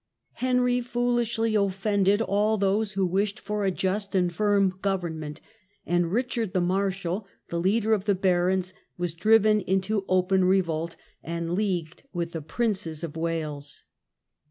Henry foolishly offended all those who wished for a just and firm government, and Richard the Marshal, the leader of the barons, was driven into c^en revolt and leagued with the princes of Wales.